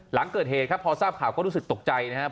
หลังเกิดเหตุครับพอทราบข่าวก็รู้สึกตกใจนะครับ